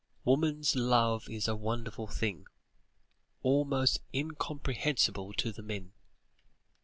Woman's love is a wonderful thing almost incomprehensible to men!"